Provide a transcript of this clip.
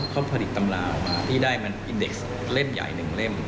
เขาผลิตตำรามาพี่ได้อินเด็กซ์เล่มใหญ่หนึ่งเล่ม